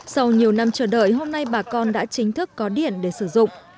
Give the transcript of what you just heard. sau nhiều năm chờ đợi hôm nay bà con đã chính thức có điện để sử dụng